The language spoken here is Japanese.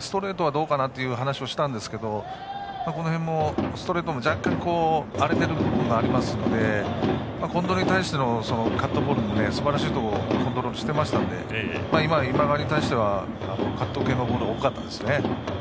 ストレートはどうかなという話もしたんですがこの辺もストレートが若干荒れている部分がありますので近藤に対してのカットボールもすばらしいところにコントロールしていましたので今、今川に対してはカット系のボールが多かったですね。